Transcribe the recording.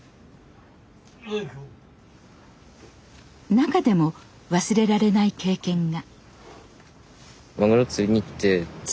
中でも忘れられない経験が。